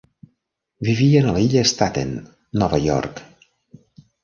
Vivien a l'illa d'Staten, Nova York.